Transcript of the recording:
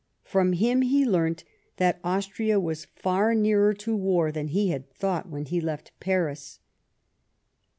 From him he learnt that Austria was far nearer to war than he had thought when he left Paris.